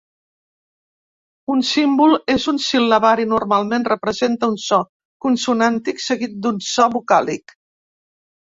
Un símbol en un sil·labari normalment representa un so consonàntic seguit d'un so vocàlic.